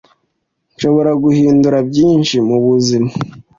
nshobora guhindura byinshi mu buzima